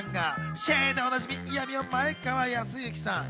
シェーでおなじみ、イヤミを前川泰之さん。